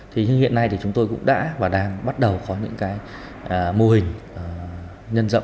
thế nhưng hiện nay thì chúng tôi cũng đã và đang bắt đầu có những cái mô hình nhân rộng